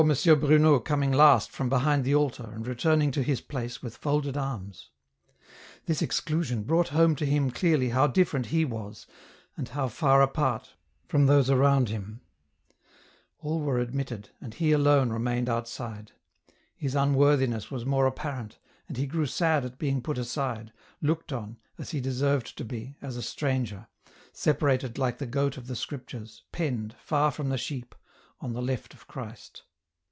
Bruno coming last from behind the altar and returning to his place with folded arms. This exclusion brought home to him clearly how different he was, and how far apart, from those around him ! All were admitted, and he alone remained outside. His unworthiness was more apparent, and he grew sad at being put aside, looked on, as he deserved to be, as a stranger, separated like the goat of the Scriptures, penned, far from the sheep, on the left of Christ.